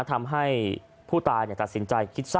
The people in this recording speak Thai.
ทำให้ผู้ตายตัดสินใจคิดสั้น